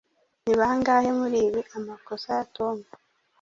ni bangahe muribi amakosa ya tom?